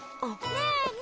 ねえねえ